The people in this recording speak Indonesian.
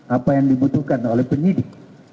apa yang dibutuhkan oleh penyidik